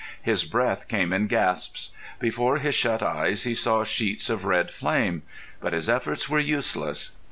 His breath came in gasps. Before his shut eyes he saw sheets of red flame. But his efforts were useless.